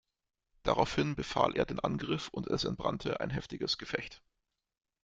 Daraufhin befahl er den Angriff und es entbrannte ein heftiges Gefecht.